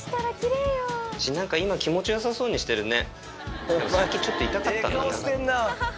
なんか今、気持ちよさそうにしてるね。